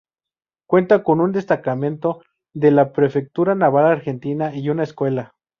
Cuenta con un destacamento de la Prefectura Naval Argentina y una escuela.